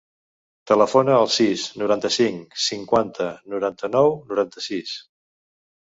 Telefona al sis, noranta-cinc, cinquanta, noranta-nou, noranta-sis.